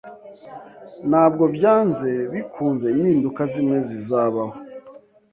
Ntabwo byanze bikunze impinduka zimwe zizabaho